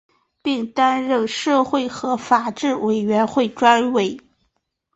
并担任社会和法制委员会专委。